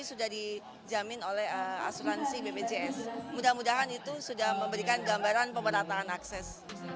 sudah dijamin oleh asuransi bpjs mudah mudahan itu sudah memberikan gambaran pemerataan akses